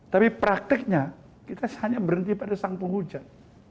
tapi prakteknya kita hanya berhenti pada sang penghujan